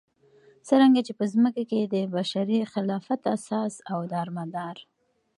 څرنګه چې په ځمكه كې دبشري خلافت اساس او دارمدار